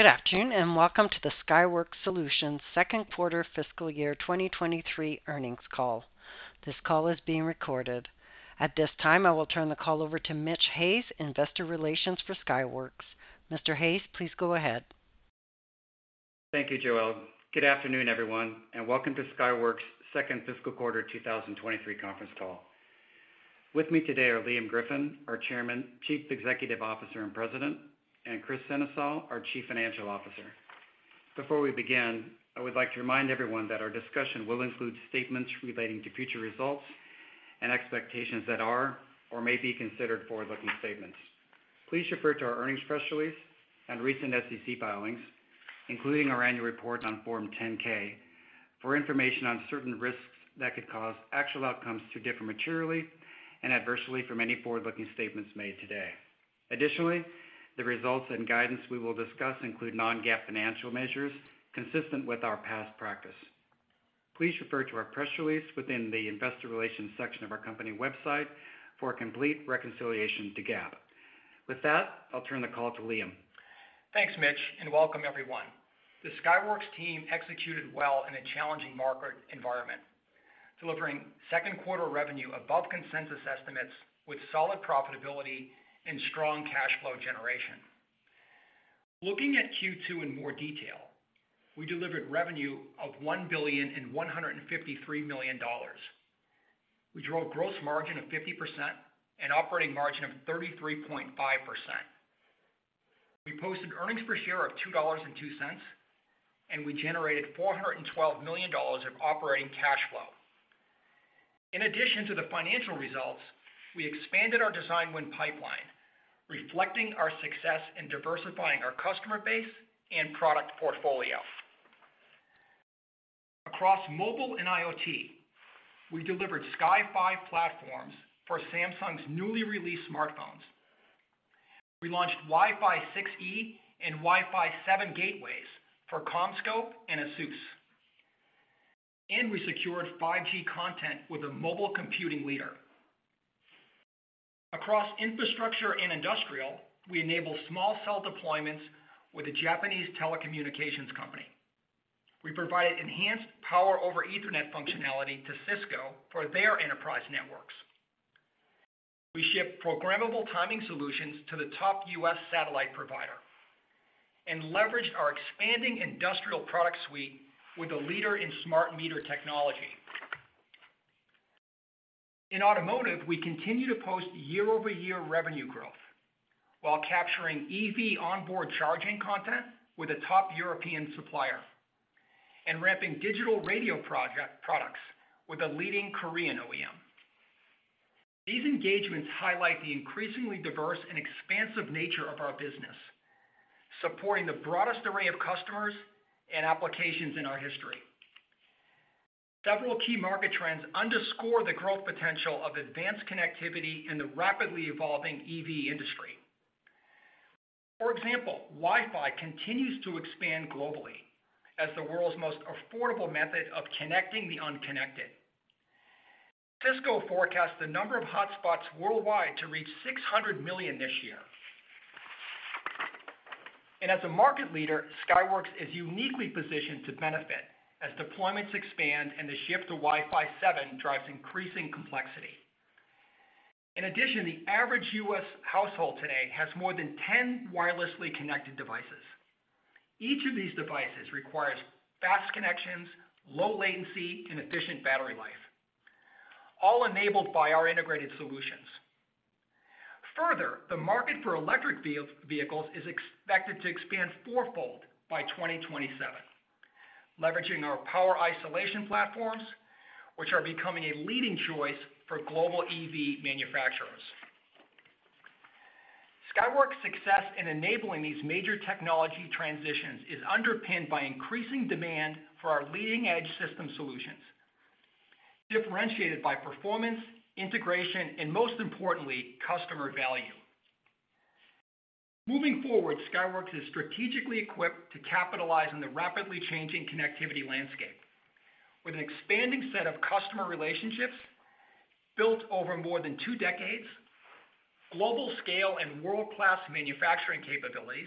Good afternoon, welcome to the Skyworks Solutions Second Quarter Fiscal Year 2023 Earnings Call. This call is being recorded. At this time, I will turn the call over to Mitch Haws, investor relations for Skyworks. Mr. Haws, please go ahead. Thank you, Joel. Good afternoon, everyone, and welcome to Skyworks Second Fiscal Quarter 2023 Conference Call. With me today are Liam Griffin, our Chairman, Chief Executive Officer, and President, and Kris Sennesael, our Chief Financial Officer. Before we begin, I would like to remind everyone that our discussion will include statements relating to future results and expectations that are or may be considered forward-looking statements. Please refer to our earnings press release and recent SEC filings, including our annual report on form 10-K for information on certain risks that could cause actual outcomes to differ materially and adversely from any forward-looking statements made today. Additionally, the results and guidance we will discuss include non-GAAP financial measures consistent with our past practice. Please refer to our press release within the investor relations section of our company website for a complete reconciliation to GAAP. With that, I'll turn the call to Liam. Thanks, Mitch. Welcome everyone. The Skyworks team executed well in a challenging market environment, delivering second quarter revenue above consensus estimates with solid profitability and strong cash flow generation. Looking at Q2 in more detail, we delivered revenue of $1.153 billion. We drove gross margin of 50% and operating margin of 33.5%. We posted earnings per share of $2.02, and we generated $412 million of operating cash flow. In addition to the financial results, we expanded our design win pipeline, reflecting our success in diversifying our customer base and product portfolio. Across mobile and IoT, we delivered Sky5 platforms for Samsung's newly released smartphones. We launched Wi-Fi 6E and Wi-Fi 7 gateways for CommScope and ASUS. We secured 5G content with a mobile computing leader. Across infrastructure and industrial, we enable small cell deployments with a Japanese telecommunications company. We provided enhanced Power over Ethernet functionality to Cisco for their enterprise networks. We ship programmable timing solutions to the top U.S. satellite provider and leveraged our expanding industrial product suite with a leader in smart meter technology. In automotive, we continue to post year-over-year revenue growth while capturing EV onboard charging content with a top European supplier and ramping digital radio project products with a leading Korean OEM. These engagements highlight the increasingly diverse and expansive nature of our business, supporting the broadest array of customers and applications in our history. Several key market trends underscore the growth potential of advanced connectivity in the rapidly evolving EV industry. For example, Wi-Fi continues to expand globally as the world's most affordable method of connecting the unconnected. Cisco forecasts the number of hotspots worldwide to reach 600 million this year. As a market leader, Skyworks is uniquely positioned to benefit as deployments expand and the shift to Wi-Fi 7 drives increasing complexity. In addition, the average U.S. household today has more than 10 wirelessly connected devices. Each of these devices requires fast connections, low latency, and efficient battery life, all enabled by our integrated solutions. The market for electric vehicles is expected to expand 4-fold by 2027, leveraging our power isolation platforms, which are becoming a leading choice for global EV manufacturers. Skyworks success in enabling these major technology transitions is underpinned by increasing demand for our leading-edge system solutions, differentiated by performance, integration, and most importantly, customer value. Moving forward, Skyworks is strategically equipped to capitalize on the rapidly changing connectivity landscape with an expanding set of customer relationships built over more than two decades, global scale and world-class manufacturing capabilities,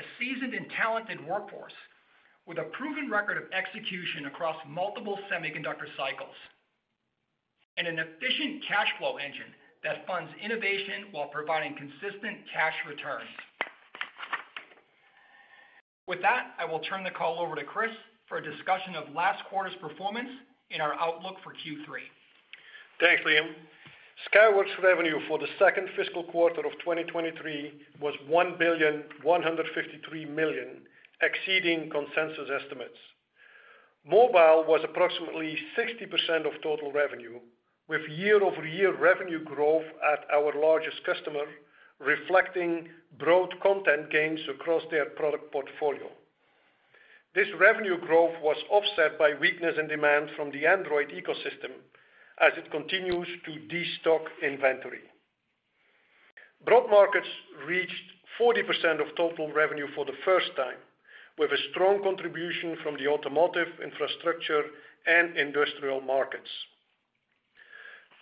a seasoned and talented workforce with a proven record of execution across multiple semiconductor cycles, and an efficient cash flow engine that funds innovation while providing consistent cash returns. With that, I will turn the call over to Kris for a discussion of last quarter's performance and our outlook for Q3. Thanks, Liam. Skyworks revenue for the second fiscal quarter of 2023 was $1,153 million, exceeding consensus estimates. Mobile was approximately 60% of total revenue, with year-over-year revenue growth at our largest customer, reflecting broad content gains across their product portfolio. This revenue growth was offset by weakness in demand from the Android ecosystem as it continues to de-stock inventory. Broad markets reached 40% of total revenue for the first time, with a strong contribution from the automotive infrastructure and industrial markets.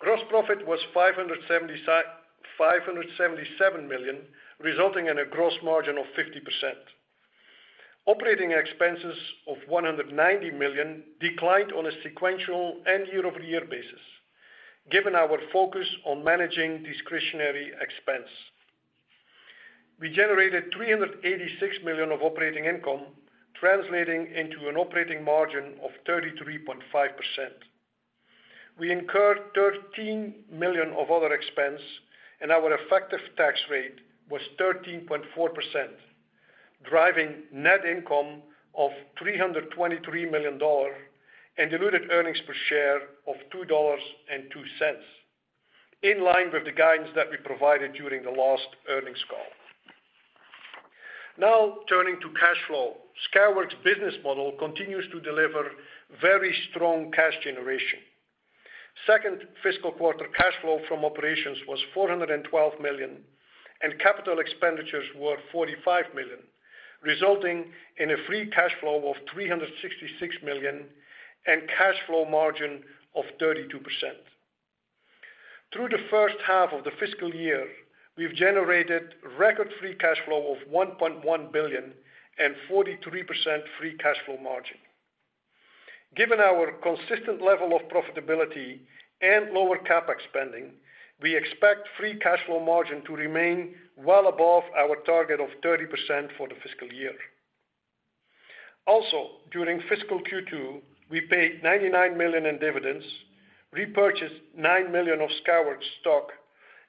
Gross profit was $577 million, resulting in a gross margin of 50%. Operating expenses of $190 million declined on a sequential and year-over-year basis, given our focus on managing discretionary expense. We generated $386 million of operating income, translating into an operating margin of 33.5%. We incurred 13 million of other expense, and our effective tax rate was 13.4%, driving net income of $323 million and diluted earnings per share of $2.02, in line with the guidance that we provided during the last earnings call. Turning to cash flow. Skyworks' business model continues to deliver very strong cash generation. Second fiscal quarter cash flow from operations was $412 million, and capital expenditures were $45 million, resulting in a free cash flow of $366 million and cash flow margin of 32%. Through the first half of the fiscal year, we've generated record free cash flow of $1.1 billion and 43% free cash flow margin. Given our consistent level of profitability and lower CapEx spending, we expect free cash flow margin to remain well above our target of 30% for the fiscal year. During fiscal Q2, we paid $99 million in dividends, repurchased $9 million of Skyworks stock,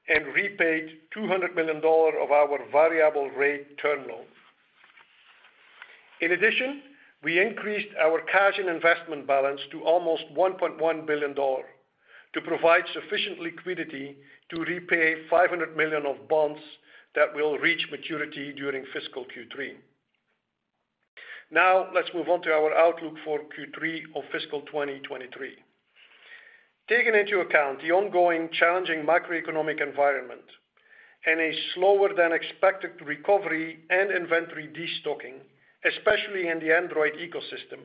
and repaid $200 million of our variable rate term loan. We increased our cash and investment balance to almost $1.1 billion to provide sufficient liquidity to repay $500 million of bonds that will reach maturity during fiscal Q3. Let's move on to our outlook for Q3 of fiscal 2023. Taking into account the ongoing challenging macroeconomic environment and a slower than expected recovery and inventory destocking, especially in the Android ecosystem,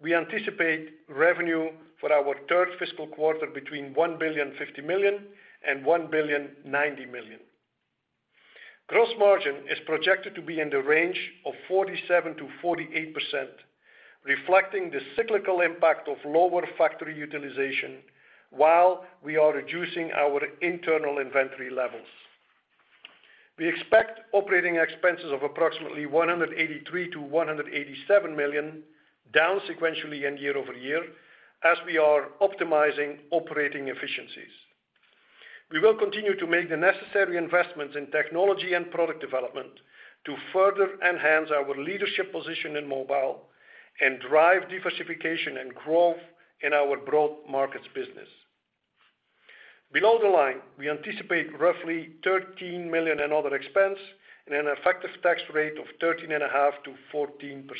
we anticipate revenue for our third fiscal quarter between $1.05 billion and $1.09 billion. Gross margin is projected to be in the range of 47%-48%, reflecting the cyclical impact of lower factory utilization while we are reducing our internal inventory levels. We expect operating expenses of approximately $183 million-$187 million, down sequentially and year-over-year as we are optimizing operating efficiencies. We will continue to make the necessary investments in technology and product development to further enhance our leadership position in mobile and drive diversification and growth in our broad markets business. Below the line, we anticipate roughly $13 million in other expense and an effective tax rate of 13.5%-14%.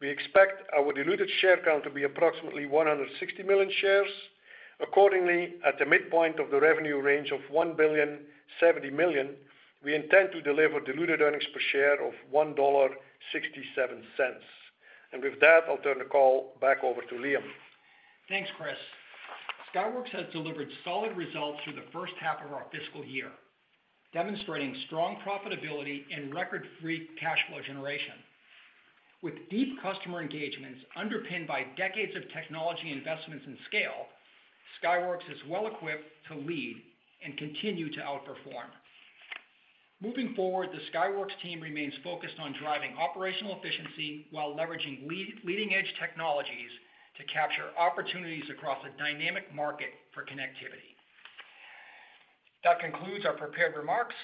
We expect our diluted share count to be approximately 160 million shares. Accordingly, at the midpoint of the revenue range of $1.07 billion, we intend to deliver diluted earnings per share of $1.67. With that, I'll turn the call back over to Liam. Thanks, Kris. Skyworks has delivered solid results through the first half of our fiscal year, demonstrating strong profitability and record free cash flow generation. With deep customer engagements underpinned by decades of technology investments and scale, Skyworks is well equipped to lead and continue to outperform. Moving forward, the Skyworks team remains focused on driving operational efficiency while leveraging leading-edge technologies to capture opportunities across a dynamic market for connectivity. That concludes our prepared remarks.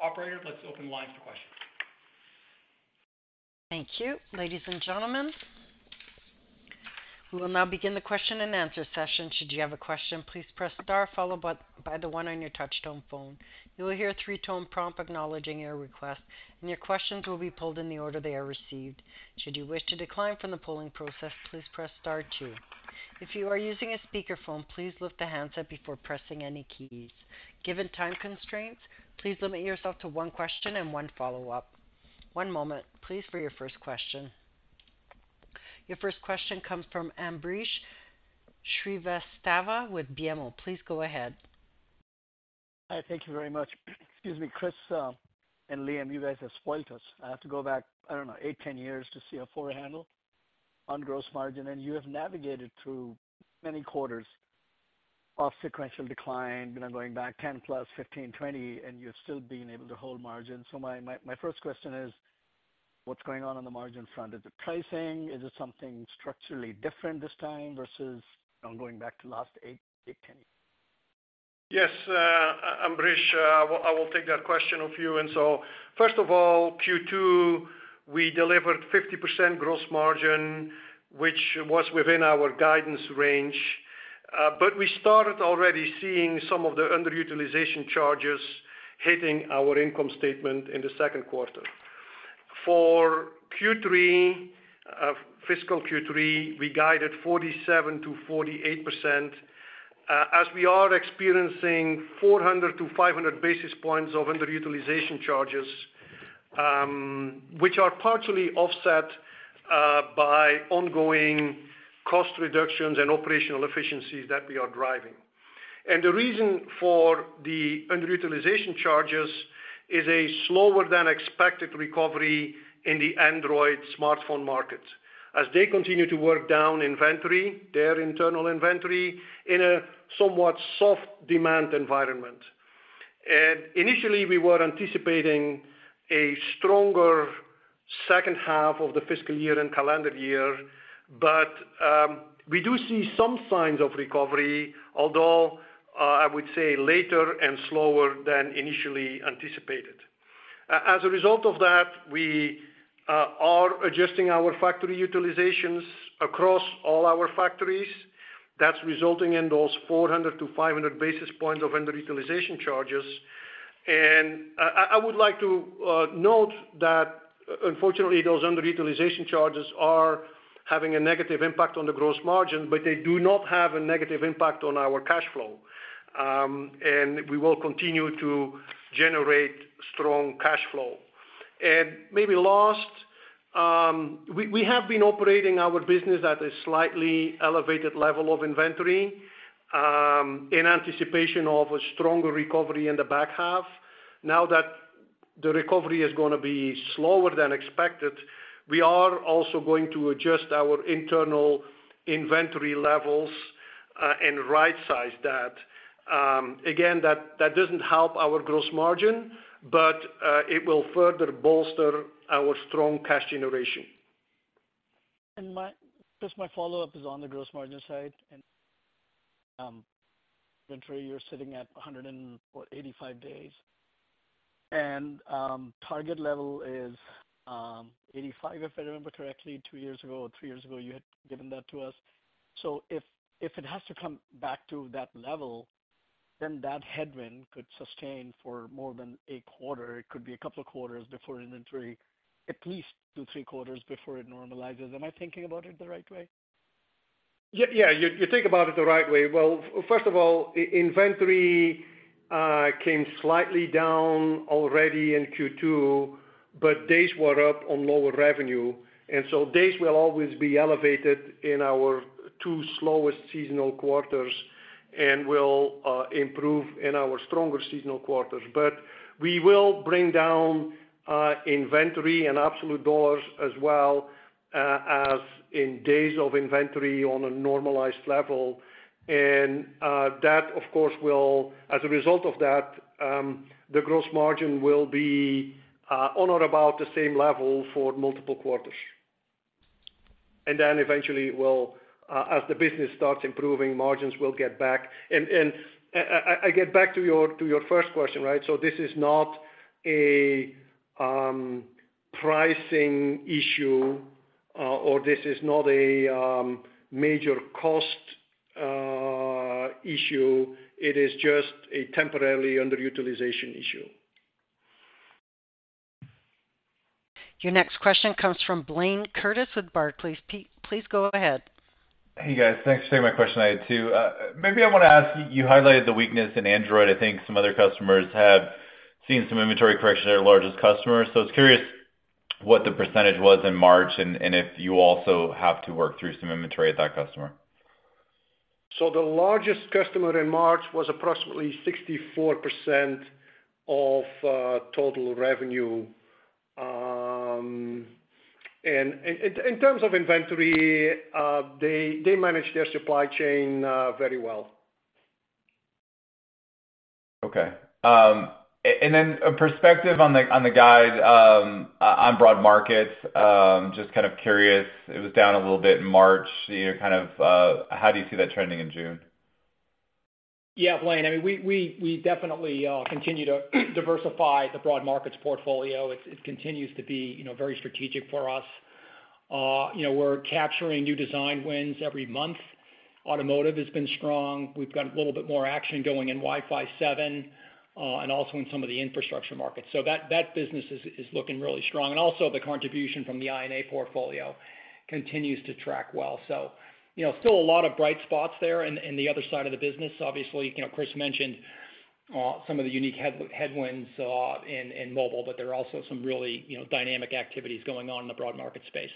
Operator, let's open the for questions. Thank you. Ladies and gentlemen, we will now begin the question and answer session. Should you have a question, please press star followed by the one on your touch-tone phone. You will hear a three-tone prompt acknowledging your request, and your questions will be pulled in the order they are received. Should you wish to decline from the polling process, please press star two. If you are using a speakerphone, please lift the handset before pressing any keys. Given time constraints, please limit yourself to one question and one follow-up. one moment, please, for your first question. Your first question comes from Ambrish Srivastava with BMO. Please go ahead. Hi. Thank you very much. Excuse me, Kris, and Liam, you guys have spoiled us. I have to go back, I don't know, 8, 10 years to see a 4 handle on gross margin, and you have navigated through many quarters of sequential decline. You know, going back 10+, 15, 20, and you're still being able to hold margin. My, my first question is what's going on on the margin front? Is it pricing? Is it something structurally different this time versus, you know, going back to last 8, 10 years? Yes, Ambrish, I will take that question of you. First of all, Q2, we delivered 50% gross margin, which was within our guidance range. We started already seeing some of the underutilization charges hitting our income statement in the second quarter. For Q3, fiscal Q3, we guided 47%-48%. As we are experiencing 400 to 500 basis points of underutilization charges, which are partially offset by ongoing cost reductions and operational efficiencies that we are driving. The reason for the underutilization charges is a slower than expected recovery in the Android smartphone market as they continue to work down inventory, their internal inventory, in a somewhat soft demand environment. Initially, we were anticipating a stronger second half of the fiscal year and calendar year, we do see some signs of recovery, although, I would say later and slower than initially anticipated. As a result of that, we are adjusting our factory utilizations across all our factories. That's resulting in those 400-500 basis points of underutilization charges. I would like to note that unfortunately, those underutilization charges are having a negative impact on the gross margin, but they do not have a negative impact on our cash flow. We will continue to generate strong cash flow. Maybe last, we have been operating our business at a slightly elevated level of inventory, in anticipation of a stronger recovery in the back half. Now that the recovery is gonna be slower than expected, we are also going to adjust our internal inventory levels, and rightsize that. Again, that doesn't help our gross margin, but it will further bolster our strong cash generation. Just my follow-up is on the gross margin side and inventory, you're sitting at 185 days. Target level is 85, if I remember correctly. 2 years ago or 3 years ago, you had given that to us. If it has to come back to that level, then that headwind could sustain for more than a quarter. It could be a couple of quarters before inventory, at least 2, 3 quarters before it normalizes. Am I thinking about it the right way? Yeah, you think about it the right way. Well, first of all, inventory came slightly down already in Q2, but days were up on lower revenue, days will always be elevated in our two slowest seasonal quarters and will improve in our stronger seasonal quarters. We will bring down inventory and absolute dollars as well as in days of inventory on a normalized level. That, of course, will. As a result of that, the gross margin will be on or about the same level for multiple quarters. Eventually, will, as the business starts improving, margins will get back. I get back to your first question, right? This is not a pricing issue or this is not a major cost issue. It is just a temporarily underutilization issue. Your next question comes from Blayne Curtis with Barclays. Please go ahead. Hey, guys. Thanks for taking my question. I had two. maybe I wanna ask, you highlighted the weakness in Android. I think some other customers have seen some inventory correction at their largest customer. I was curious what the percentage was in March and if you also have to work through some inventory at that customer. The largest customer in March was approximately 64% of total revenue. In terms of inventory, they manage their supply chain very well. Okay. Then a perspective on the, on the guide, on broad markets. Just kind of curious, it was down a little bit in March. You know, kind of, how do you see that trending in June? Blayne, I mean, we definitely continue to diversify the broad markets portfolio. It continues to be, you know, very strategic for us. You know, we're capturing new design wins every month. Automotive has been strong. We've got a little bit more action going in Wi-Fi 7 and also in some of the infrastructure markets. That business is looking really strong. Also the contribution from the I&A portfolio continues to track well. You know, still a lot of bright spots there in the other side of the business. Obviously, you know, Kris mentioned some of the unique headwinds in mobile, but there are also some really, you know, dynamic activities going on in the broad market space.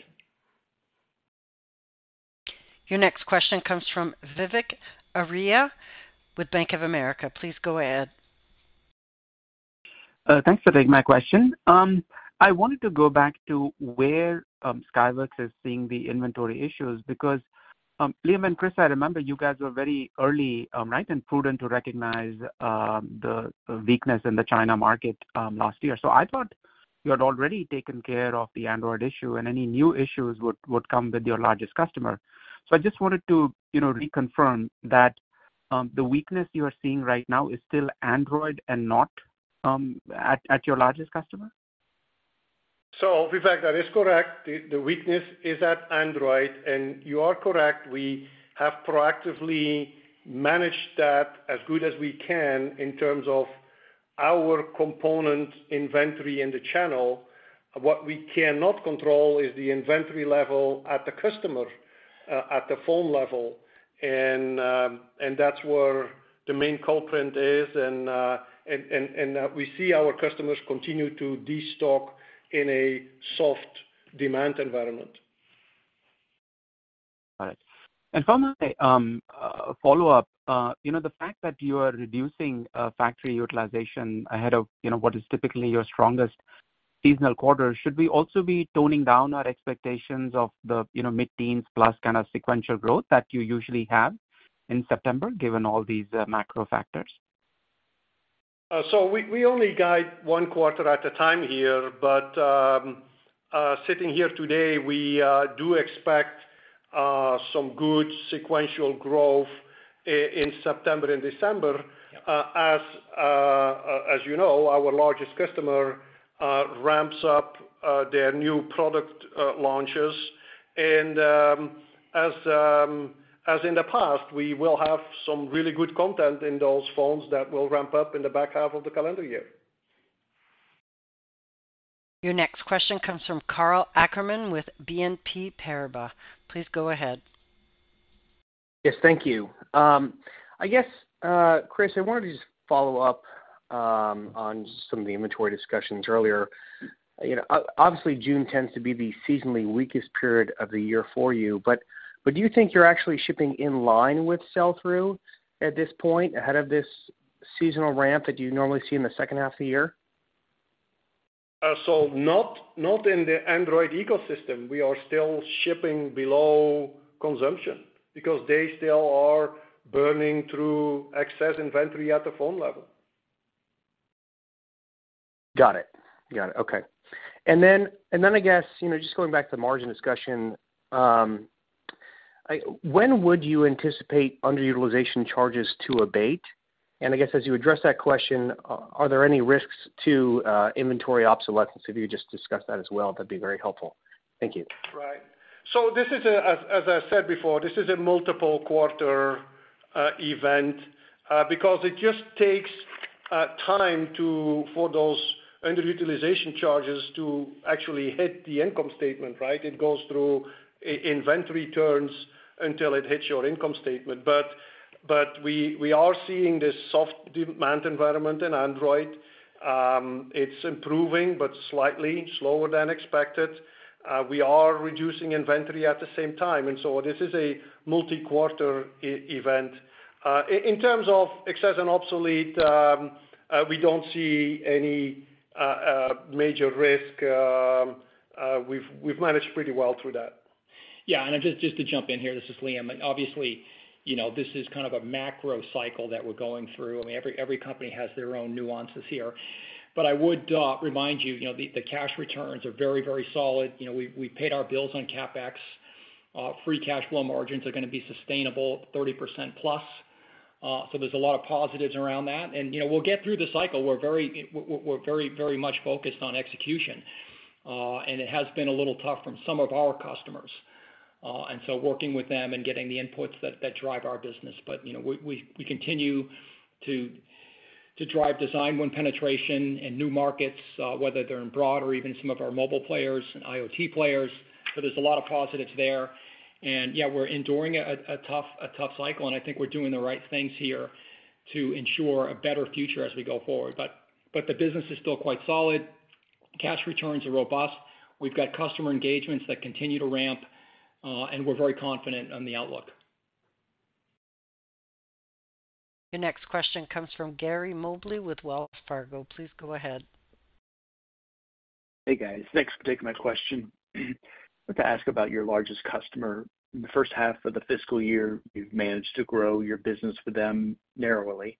Your next question comes from Vivek Arya with Bank of America. Please go ahead. Thanks for taking my question. I wanted to go back to where Skyworks is seeing the inventory issues, because Liam and Kris, I remember you guys were very early, right, and prudent to recognize the weakness in the China market last year. I thought you had already taken care of the Android issue and any new issues would come with your largest customer. I just wanted to, you know, reconfirm that the weakness you are seeing right now is still Android and not at your largest customer. Vivek, that is correct. The weakness is at Android, and you are correct. We have proactively managed that as good as we can in terms of our component inventory in the channel. What we cannot control is the inventory level at the customer, at the phone level. That's where the main culprit is, and we see our customers continue to destock in a soft demand environment. All right. From my follow-up, you know, the fact that you are reducing factory utilization ahead of, you know, what is typically your strongest seasonal quarter, should we also be toning down our expectations of the, you know, mid-teens plus kind of sequential growth that you usually have in September, given all these macro factors? We only guide 1 quarter at a time here, but sitting here today, we do expect some good sequential growth in September and December. Yeah. As you know, our largest customer ramps up their new product launches. As in the past, we will have some really good content in those phones that will ramp up in the back half of the calendar year. Your next question comes from Karl Ackerman with BNP Paribas. Please go ahead. Yes, thank you. I guess, Kris, I wanted to just follow up on some of the inventory discussions earlier. You know, obviously, June tends to be the seasonally weakest period of the year for you, but do you think you're actually shipping in line with sell-through at this point, ahead of this seasonal ramp that you normally see in the second half of the year? Not in the Android ecosystem. We are still shipping below consumption because they still are burning through excess inventory at the phone level. Got it. Okay. I guess, you know, just going back to the margin discussion, when would you anticipate underutilization charges to abate? I guess as you address that question, are there any risks to inventory obsolescence? If you could just discuss that as well, that'd be very helpful. Thank you. Right. This is a, as I said before, this is a multiple quarter event because it just takes time for those underutilization charges to actually hit the income statement, right? It goes through inventory turns until it hits your income statement. But we are seeing this soft demand environment in Android. It's improving but slightly slower than expected. We are reducing inventory at the same time, this is a multi-quarter event. In terms of excess and obsolete, we don't see any major risk. We've managed pretty well through that. Yeah. Just to jump in here, this is Liam. Obviously, you know, this is kind of a macro cycle that we're going through. I mean, every company has their own nuances here. I would remind you know, the cash returns are very, very solid. You know, we paid our bills on CapEx. Free cash flow margins are gonna be sustainable 30%+, so there's a lot of positives around that. You know, we'll get through the cycle. We're very, very much focused on execution, and it has been a little tough from some of our customers. Working with them and getting the inputs that drive our business. You know, we continue to drive design win penetration in new markets, whether they're in broad or even some of our mobile players and IoT players. There's a lot of positives there. Yeah, we're enduring a tough cycle, and I think we're doing the right things here to ensure a better future as we go forward. The business is still quite solid. Cash returns are robust. We've got customer engagements that continue to ramp, and we're very confident on the outlook. Your next question comes from Gary Mobley with Wells Fargo. Please go ahead. Hey, guys. Thanks for taking my question. I'd like to ask about your largest customer. In the first half of the fiscal year, you've managed to grow your business with them narrowly.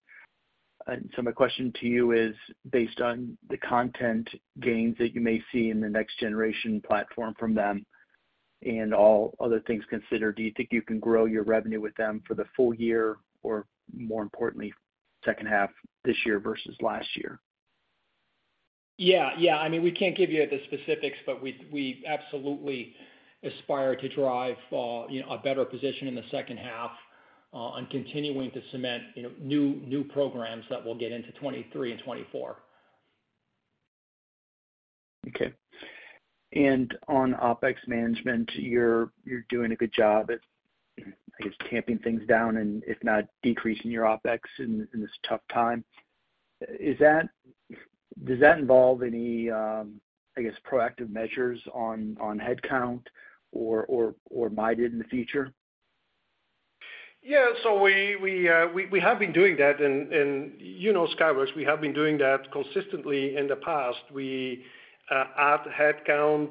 My question to you is, based on the content gains that you may see in the next generation platform from them and all other things considered, do you think you can grow your revenue with them for the full year, or more importantly, second half this year versus last year? Yeah. Yeah. I mean, we can't give you the specifics, but we absolutely aspire to drive, you know, a better position in the second half, on continuing to cement, you know, new programs that will get into 2023 and 2024. Okay. On OpEx management, you're doing a good job at, I guess, tamping things down and if not decreasing your OpEx in this tough time. Does that involve any, I guess, proactive measures on headcount or might it in the future? Yeah. We have been doing that and, you know, Skyworks, we have been doing that consistently in the past. We add headcount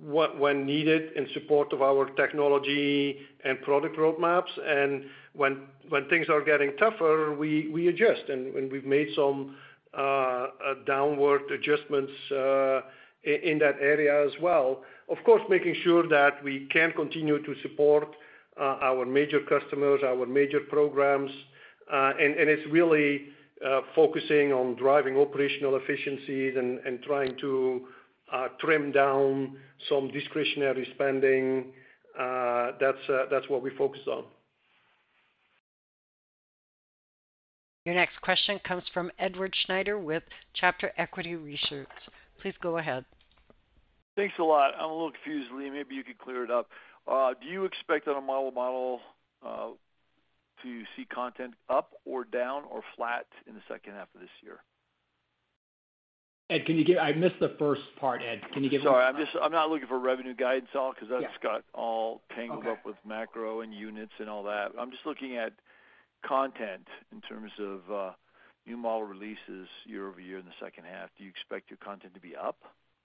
when needed in support of our technology and product roadmaps. When things are getting tougher, we adjust. We've made some downward adjustments in that area as well. Of course, making sure that we can continue to support our major customers, our major programs, and it's really focusing on driving operational efficiencies and trying to trim down some discretionary spending. That's that's what we focus on. Your next question comes from Edward Snyder with Charter Equity Research. Please go ahead. Thanks a lot. I'm a little confused, Liam. Maybe you could clear it up. Do you expect on a model-to-model to see content up or down or flat in the second half of this year? Ed, I missed the first part, Ed. Can you give it one more- Sorry, I'm not looking for revenue guidance at all, 'cause. Yeah. Got all tangled. Okay. -up with macro and units and all that. I'm just looking at content in terms of new model releases year-over-year in the second half. Do you expect your content to be up,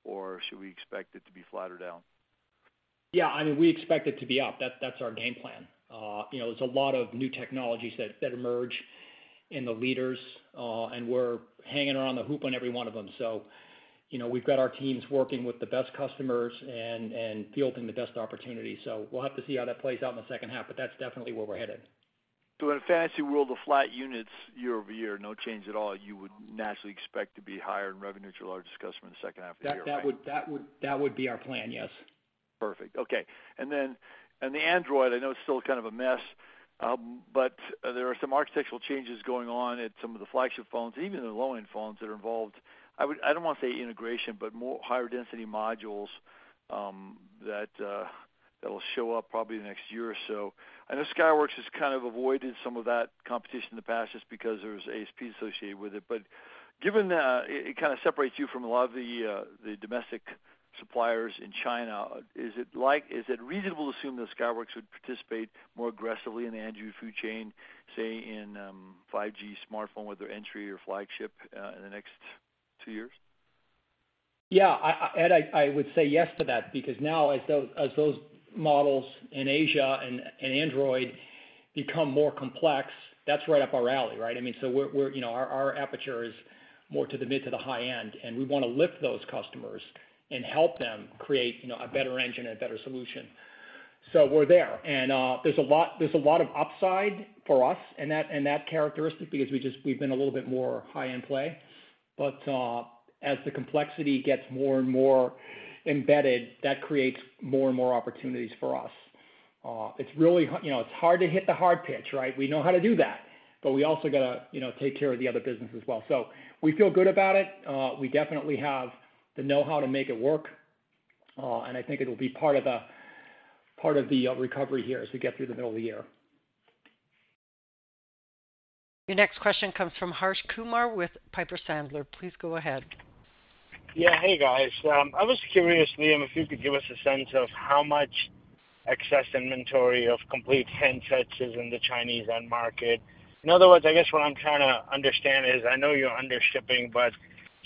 or should we expect it to be flat or down? Yeah, I mean, we expect it to be up. That's our game plan. You know, there's a lot of new technologies that emerge in the leaders, we're hanging around the hoop on every one of them. You know, we've got our teams working with the best customers and fielding the best opportunities. We'll have to see how that plays out in the second half, but that's definitely where we're headed. In a fantasy world of flat units year-over-year, no change at all, you would naturally expect to be higher in revenue to your largest customer in the second half of the year, right? That, that would be our plan, yes. Perfect. Okay. On the Android, I know it's still kind of a mess, but there are some architectural changes going on at some of the flagship phones, even in the low-end phones that are involved. I don't wanna say integration, but more higher density modules, that'll show up probably the next year or so. I know Skyworks has kind of avoided some of that competition in the past just because there's ASP associated with it. Given that it kinda separates you from a lot of the domestic suppliers in China, Is it reasonable to assume that Skyworks would participate more aggressively in the Android food chain, say in 5G smartphone with their entry or flagship, in the next two years? Yeah. I, Ed, I would say yes to that because now as those models in Asia and Android become more complex, that's right up our alley, right? I mean, we're, you know, our aperture is more to the mid to the high end, and we wanna lift those customers and help them create, you know, a better engine and a better solution. We're there. There's a lot of upside for us in that, in that characteristic because we've been a little bit more high-end play. As the complexity gets more and more embedded, that creates more and more opportunities for us. It's really, you know, it's hard to hit the hard pitch, right? We know how to do that, but we also gotta, you know, take care of the other business as well. We feel good about it. We definitely have the know-how to make it work, and I think it'll be part of the recovery here as we get through the middle of the year. Your next question comes from Harsh Kumar with Piper Sandler. Please go ahead. Yeah. Hey, guys. I was curious, Liam, if you could give us a sense of how much excess inventory of complete handsets is in the Chinese end market. In other words, I guess what I'm trying to understand is, I know you're under shipping, but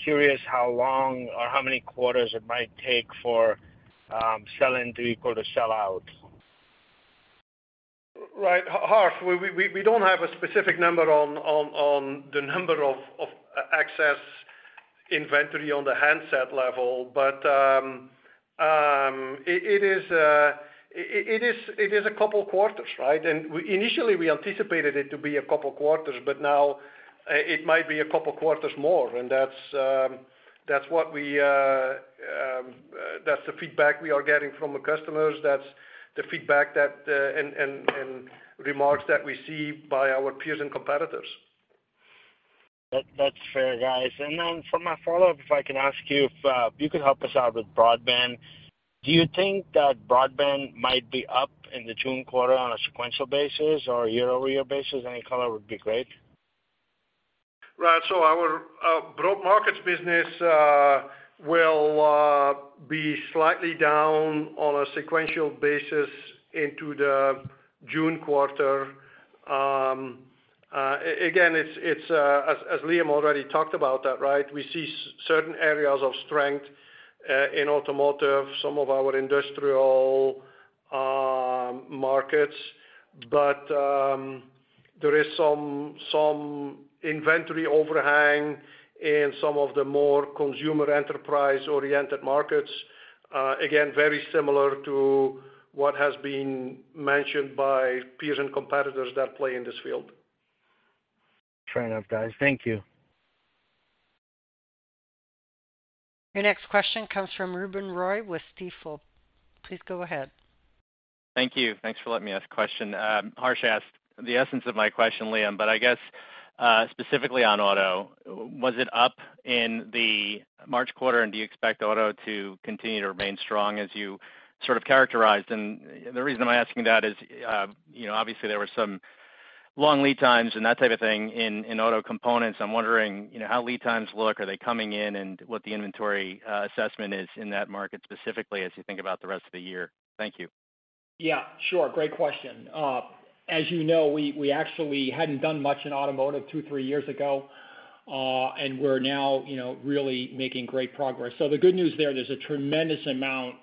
curious how long or how many quarters it might take for sell-in to equal the sell-out. Right. Harsh, we don't have a specific number on the number of access inventory on the handset level. But it is a couple quarters, right? We initially anticipated it to be a couple quarters, but now it might be a couple quarters more. That's what we that's the feedback we are getting from the customers. That's the feedback that and remarks that we see by our peers and competitors. That's fair, guys. Then for my follow-up, if I can ask you if you could help us out with broadband, do you think that broadband might be up in the June quarter on a sequential basis or year-over-year basis? Any color would be great. Right. Our broad markets business will be slightly down on a sequential basis into the June quarter. Again, it's as Liam already talked about that, right? We see certain areas of strength in automotive, some of our industrial markets, but there is some inventory overhang in some of the more consumer enterprise-oriented markets. Very similar to what has been mentioned by peers and competitors that play in this field. Fair enough, guys. Thank you. Your next question comes from Ruben Roy with Stifel. Please go ahead. Thank you. Thanks for letting me ask question. Harsh asked the essence of my question, Liam, but I guess, specifically on auto, was it up in the March quarter, and do you expect auto to continue to remain strong as you sort of characterized? The reason I'm asking that is, you know, obviously there were some long lead times and that type of thing in auto components. I'm wondering, you know, how lead times look, are they coming in, and what the inventory, assessment is in that market specifically as you think about the rest of the year. Thank you. Yeah, sure. Great question. As you know, we actually hadn't done much in automotive 2, 3 years ago. We're now, you know, really making great progress. The good news there's a tremendous amount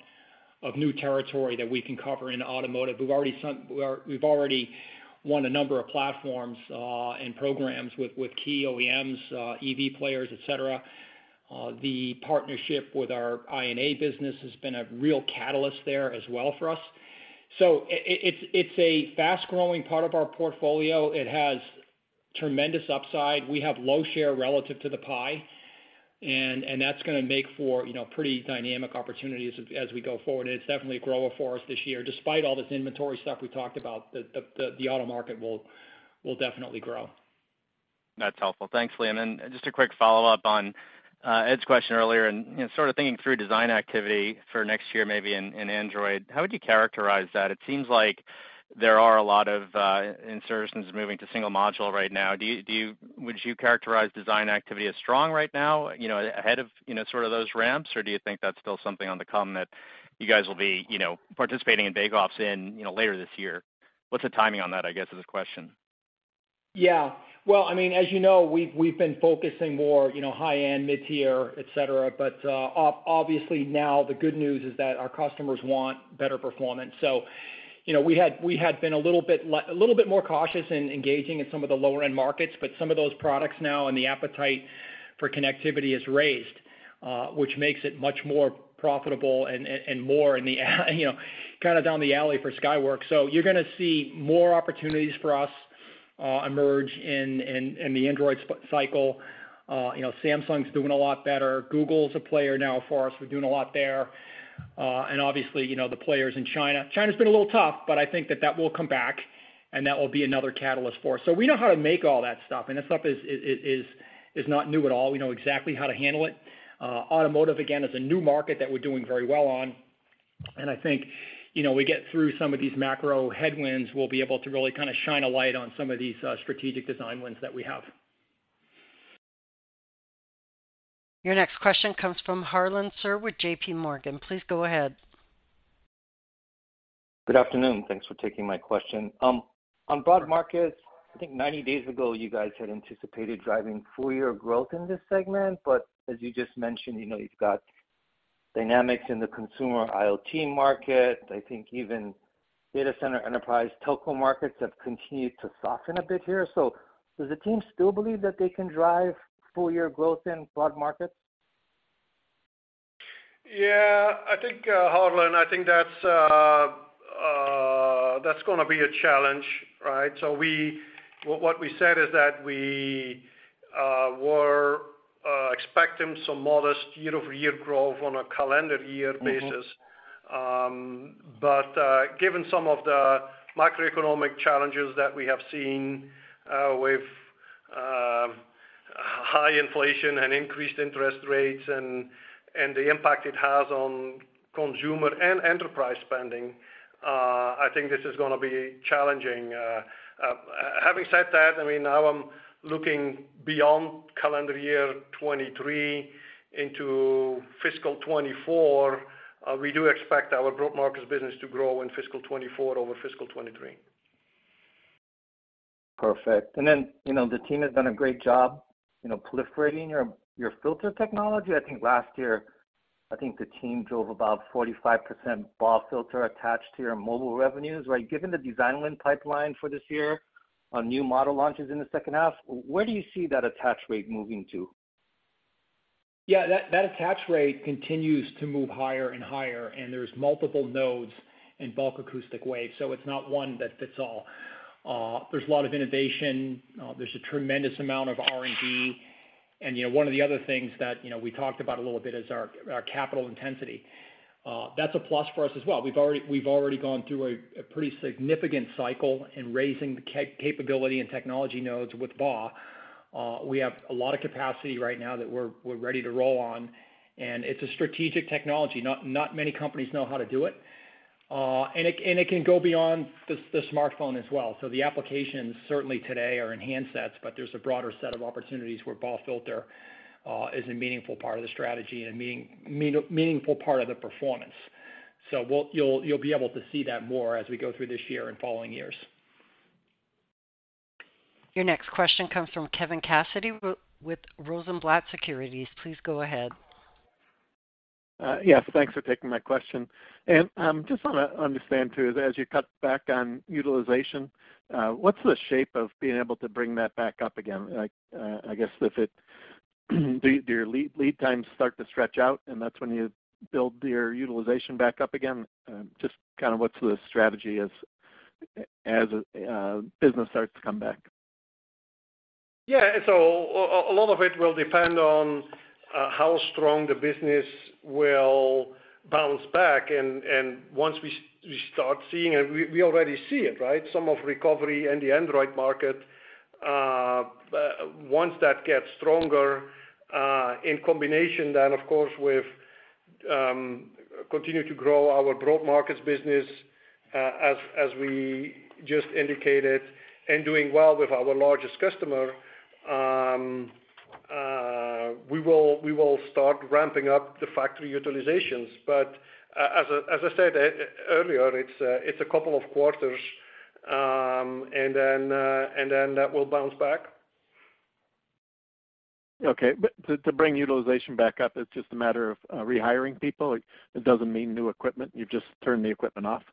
of new territory that we can cover in automotive. We've already won a number of platforms and programs with key OEMs, EV players, et cetera. The partnership with our I&A business has been a real catalyst there as well for us. It's a fast-growing part of our portfolio. It has tremendous upside. We have low share relative to the pie. And that's gonna make for, you know, pretty dynamic opportunities as we go forward. It's definitely a grower for us this year, despite all this inventory stuff we talked about, the auto market will definitely grow. That's helpful. Thanks, Liam. Just a quick follow-up on Ed's question earlier and, you know, sort of thinking through design activity for next year, maybe in Android. How would you characterize that? It seems like there are a lot of insert systems moving to single module right now. Would you characterize design activity as strong right now, you know, ahead of, you know, sort of those ramps? Or do you think that's still something on the come that you guys will be, you know, participating in bake-offs in, you know, later this year? What's the timing on that, I guess, is the question. Yeah. Well, I mean, as you know, we've been focusing more, you know, high-end, mid-tier, et cetera. Obviously now the good news is that our customers want better performance. You know, we had been a little bit more cautious in engaging in some of the lower-end markets, some of those products now and the appetite for connectivity is raised, which makes it much more profitable and more in the you know, kind of down the alley for Skyworks. You're gonna see more opportunities for us emerge in the Android cycle. You know, Samsung's doing a lot better. Google's a player now for us. We're doing a lot there. Obviously, you know, the players in China. China's been a little tough, I think that that will come back, and that will be another catalyst for us. We know how to make all that stuff, and that stuff is not new at all. We know exactly how to handle it. Automotive, again, is a new market that we're doing very well on. I think, you know, we get through some of these macro headwinds, we'll be able to really kind of shine a light on some of these strategic design wins that we have. Your next question comes from Harlan Sur with J.P. Morgan. Please go ahead. Good afternoon. Thanks for taking my question. On broad markets, I think 90 days ago, you guys had anticipated driving full year growth in this segment. As you just mentioned, you know, you've got dynamics in the consumer IoT market. I think even data center enterprise telco markets have continued to soften a bit here. Does the team still believe that they can drive full year growth in broad markets? Yeah. I think, Harlan, I think that's gonna be a challenge, right? What we said is that we were expecting some modest year-over-year growth on a calendar year basis. Given some of the macroeconomic challenges that we have seen with high inflation and increased interest rates and the impact it has on consumer and enterprise spending, I think this is gonna be challenging. Having said that, I mean, now I'm looking beyond calendar year 2023 into fiscal 2024. We do expect our broad markets business to grow in fiscal 2024 over fiscal 2023. Perfect. You know, the team has done a great job, you know, proliferating your filter technology. I think last year, the team drove about 45% BAW filter attached to your mobile revenues, right? Given the design win pipeline for this year on new model launches in the second half, where do you see that attach rate moving to? Yeah, that attach rate continues to move higher and higher, and there's multiple nodes in bulk acoustic waves. It's not one that fits all. There's a lot of innovation. There's a tremendous amount of R&D. You know, one of the other things that, you know, we talked about a little bit is our capital intensity. That's a plus for us as well. We've already gone through a pretty significant cycle in raising the capability and technology nodes with BAW. We have a lot of capacity right now that we're ready to roll on, and it's a strategic technology. Not many companies know how to do it. And it can go beyond the smartphone as well. The applications certainly today are in handsets, but there's a broader set of opportunities where BAW filter is a meaningful part of the strategy and meaningful part of the performance. You'll, you'll be able to see that more as we go through this year and following years. Your next question comes from Kevin Cassidy with Rosenblatt Securities. Please go ahead. Yes, thanks for taking my question. Just wanna understand, too, as you cut back on utilization, what's the shape of being able to bring that back up again? I guess if your lead times start to stretch out, and that's when you build your utilization back up again? Just kind of what's the strategy as business starts to come back? A lot of it will depend on how strong the business will bounce back. Once we start seeing it, we already see it, right? Some of recovery in the Android market. Once that gets stronger, in combination then, of course, with continue to grow our broad markets business, as we just indicated and doing well with our largest customer, we will start ramping up the factory utilizations. As I said earlier, it's a couple of quarters, and then that will bounce back. Okay. To bring utilization back up, it's just a matter of rehiring people? It doesn't mean new equipment? You've just turned the equipment off?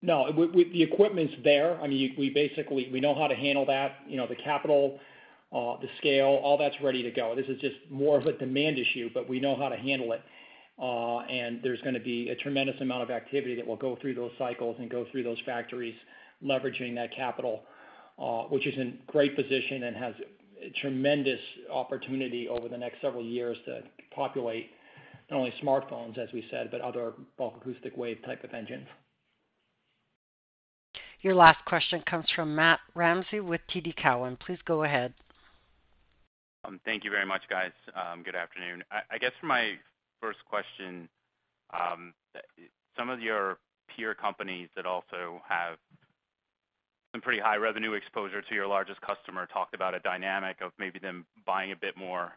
No. With the equipment's there, I mean, we basically, we know how to handle that, you know, the capital, the scale, all that's ready to go. This is just more of a demand issue, but we know how to handle it. There's gonna be a tremendous amount of activity that will go through those cycles and go through those factories, leveraging that capital. Which is in great position and has tremendous opportunity over the next several years to populate not only smartphones, as we said, but other bulk acoustic wave type of engines. Your last question comes from Matthew Ramsay with TD Cowen. Please go ahead. Thank you very much, guys. Good afternoon. I guess for my first question, some of your peer companies that also have some pretty high revenue exposure to your largest customer talked about a dynamic of maybe them buying a bit more,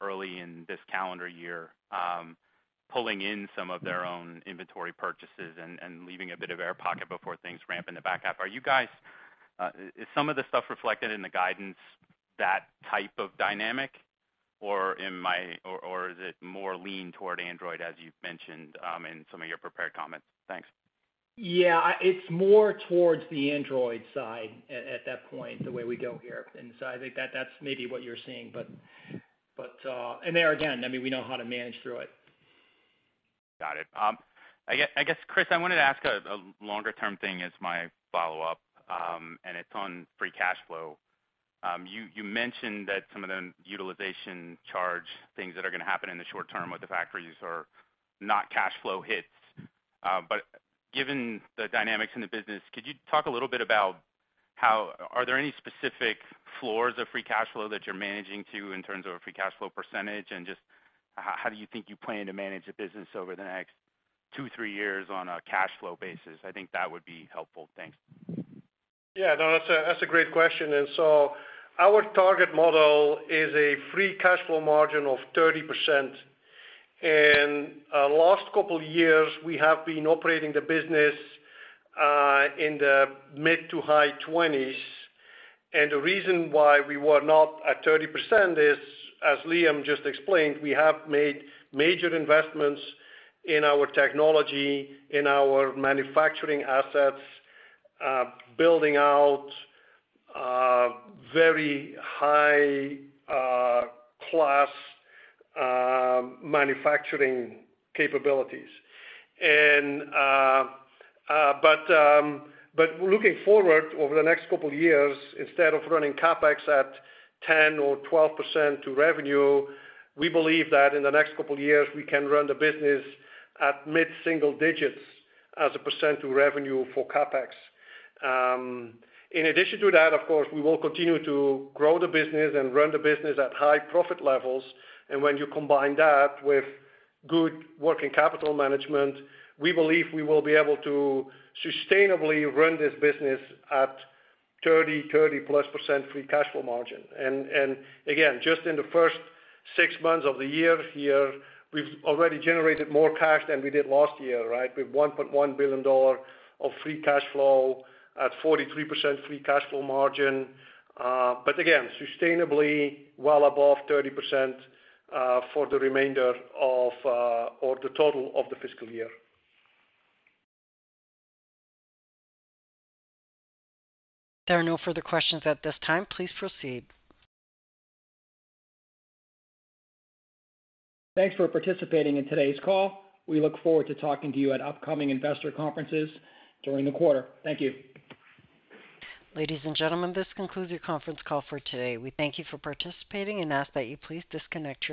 early in this calendar year, pulling in some of their own inventory purchases and leaving a bit of air pocket before things ramp in the back half. Are you guys, is some of the stuff reflected in the guidance that type of dynamic, or is it more lean toward Android, as you've mentioned, in some of your prepared comments? Thanks. Yeah. It's more towards the Android side at that point, the way we go here. I think that that's maybe what you're seeing. There again, I mean, we know how to manage through it. Got it. I guess, Chris, I wanted to ask a longer term thing as my follow-up. It's on free cash flow. You mentioned that some of the utilization charge things that are gonna happen in the short term with the factories are not cash flow hits. Given the dynamics in the business, could you talk a little bit about how... Are there any specific floors of free cash flow that you're managing to in terms of a free cash flow percentage? Just how do you think you plan to manage the business over the next two, three years on a cash flow basis? I think that would be helpful. Thanks. Yeah. No, that's a great question. Our target model is a free cash flow margin of 30%. Last couple years, we have been operating the business in the mid to high 20s. The reason why we were not at 30% is, as Liam just explained, we have made major investments in our technology, in our manufacturing assets, building out very high class manufacturing capabilities. But looking forward over the next couple of years, instead of running CapEx at 10% or 12% to revenue, we believe that in the next couple of years, we can run the business at mid-single digits as a % to revenue for CapEx. In addition to that, of course, we will continue to grow the business and run the business at high profit levels. When you combine that with good working capital management, we believe we will be able to sustainably run this business at 30+% free cash flow margin. Again, just in the first six months of the year here, we've already generated more cash than we did last year, right? With $1.1 billion of free cash flow at 43% free cash flow margin. Again, sustainably well above 30% for the remainder of, or the total of the fiscal year. There are no further questions at this time. Please proceed. Thanks for participating in today's call. We look forward to talking to you at upcoming investor conferences during the quarter. Thank you. Ladies and gentlemen, this concludes your conference call for today. We thank you for participating and ask that you please disconnect your-